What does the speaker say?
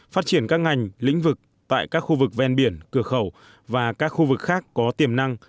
phát triển các ngành lĩnh vực tại các khu vực ven biển cửa khẩu và các khu vực khác có tiềm năng